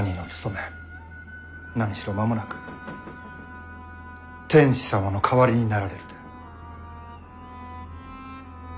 何しろ間もなく天子様の代わりになられるで。